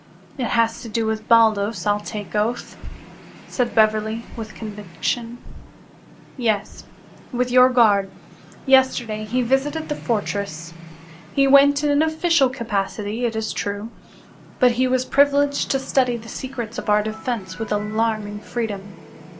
"It has to do with Baldos, I'll take oath," said Beverly, with conviction. "Yes, with your guard. Yesterday he visited the fortress. He went in an official capacity, it is true, but he was privileged to study the secrets of our defense with alarming freedom.